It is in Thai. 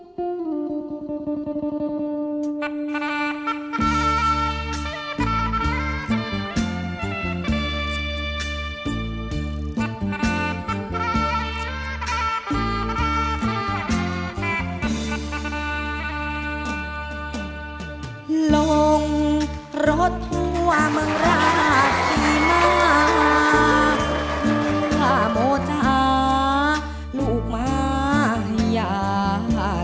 ลงรถหัวเมืองราชินาพระโมจาห์ลูกมายา